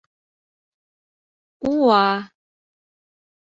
«Уа!